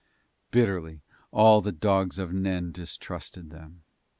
Bitterly all the dogs of Nen distrusted them.